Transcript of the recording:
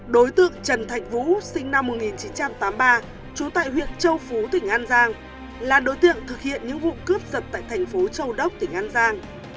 đối tượng trần thạch vũ sinh năm một nghìn chín trăm tám mươi ba trú tại huyện châu phú tỉnh an giang là đối tượng thực hiện những vụ cướp giật tại thành phố châu đốc tỉnh an giang